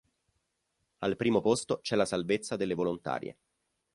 Al primo posto c'è la salvezza delle volontarie.